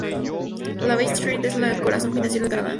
La Bay Street es el corazón financiero de Canadá.